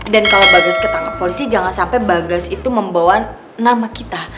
dan kalau bagas ketangkap polisi jangan sampai bagas itu membawa nama kita